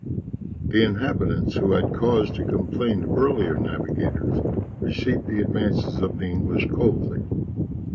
The inhabitants, who had cause to complain of earlier navigators, received the advances of the English coldly.